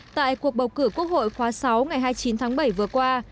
tại cuộc bầu cử quốc hội khóa sáu ngày hai mươi chín tháng bảy vừa qua